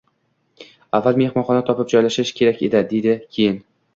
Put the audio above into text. – Avval mehmonxona topib, joylashish kerak edi, – dedi keyin.